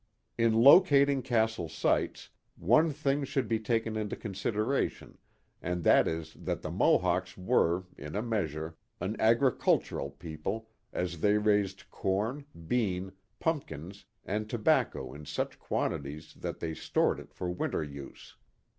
In locating castle sites, one thing should be taken into consideration, and that is that the Mohawks were, in a meas ure, an agricultural people, as they raised corn, beans, pump kins, and tobacco in such quantities that they stored it for winter use.